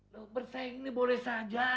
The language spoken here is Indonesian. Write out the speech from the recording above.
loh bersaing ini boleh saja